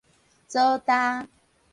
藻礁